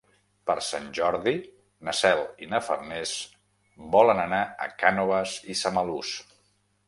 Per Sant Jordi na Cel i na Farners volen anar a Cànoves i Samalús.